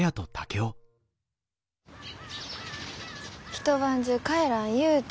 一晩中帰らんゆうて。